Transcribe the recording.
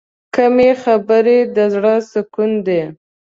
کمې خبرې، د زړه سکون دی.